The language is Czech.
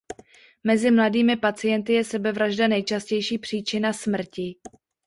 Mezi mladými pacienty je sebevražda nejčastější příčina smrti.